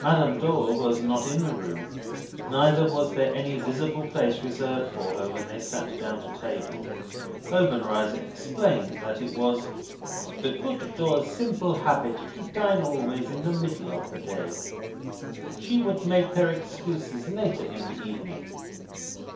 Madame Dor was not in the room. Neither was there any visible place reserved for her when they sat down to table. Obenreizer explained that it was "the good Dor's simple habit to dine always in the middle of the day. She would make her excuses later in the evening."